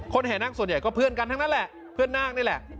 แห่นาคส่วนใหญ่ก็เพื่อนกันทั้งนั้นแหละเพื่อนนาคนี่แหละ